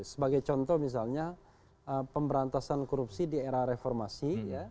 sebagai contoh misalnya pemberantasan korupsi di era reformasi